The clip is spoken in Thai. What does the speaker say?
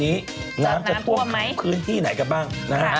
น้ำจะทวมขาบพื้นที่ไหนกันบ้าง